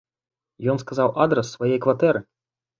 Ён сказаў адрас сваёй кватэры.